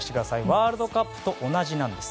ワールドカップと同じなんです。